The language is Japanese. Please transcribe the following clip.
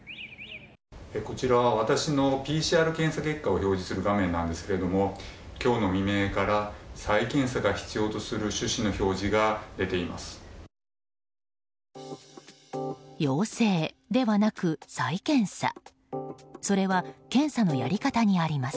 こちら、私のＰＣＲ検査結果を表示する画面なんですが今日の未明から再検査を必要とする趣旨の表示が出ています。